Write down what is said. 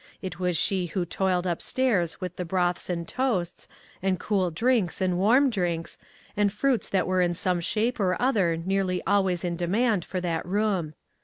It was she who toiled up stairs with the broths and toasts, and cool drinks and warm drinks, and fruits that were in some shape or other nearly always in demand for that room.